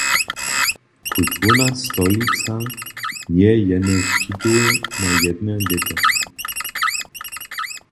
Kulturna stolica njeje jenož titul na jedne lěto.